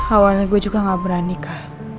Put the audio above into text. awalnya gue juga gak berani nikah